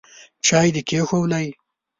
چای دي کښېښوولې ؟